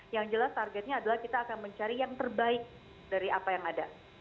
yang jelas targetnya adalah kita akan mencari yang terbaik dari apa yang ada